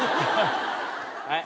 はい。